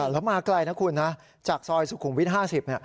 แล้วมาไกลนะคุณนะจากซอยสุขุมวิท๕๐